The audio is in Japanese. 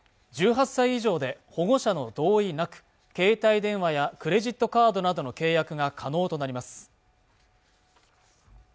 １８歳以上で保護者の同意なく携帯電話やクレジットカードなどの契約が可能となります